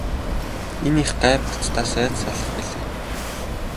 Энэ их гай барцдаас яаж салах билээ?